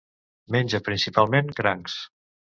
Menja principalment crancs.